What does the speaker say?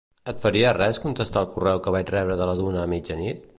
Et faria res contestar el correu que vaig rebre de la Duna a mitjanit?